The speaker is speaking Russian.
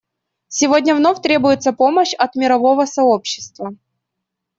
Сегодня вновь требуется помощь от мирового сообщества.